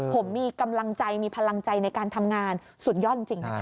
ผมมีกำลังใจมีพลังใจในการทำงานสุดยอดจริงนะครับ